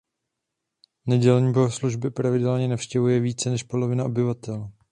Nedělní bohoslužby pravidelně navštěvuje více než polovina obyvatel.